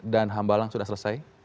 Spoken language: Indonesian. dan hambalang sudah selesai